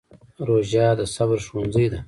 روژه د صبر ښوونځی دی.